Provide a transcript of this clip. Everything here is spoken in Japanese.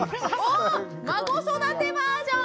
おっ孫育てバージョン！